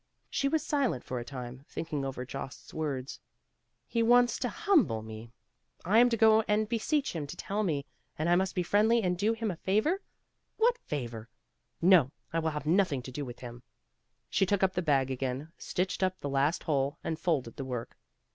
She was silent for a time; thinking over Jost's words. "He wants to humble me! I am to go and beseech him to tell me; and I must be friendly and do him a favor. What favor? No, I will have nothing to do with him." She took up the bag again, stitched up the last hole, and folded the work.